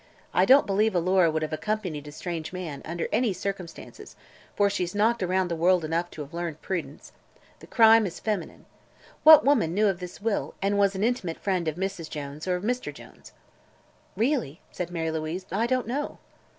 I don't believe Alora would have accompanied a strange man, under any circumstances, for she's knocked around the world enough to have learned prudence. The crime is feminine. What woman knew of this will, and was an intimate friend of Mrs. Jones, or of Mr. Jones?" "Really," said Mary Louise, "I don't know."